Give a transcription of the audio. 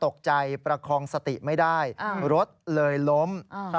ประคองสติไม่ได้รถเลยล้ม